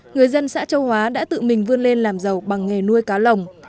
người dân xã châu hóa đã tự mình vươn lên làm giàu bằng nghề nuôi cá lồng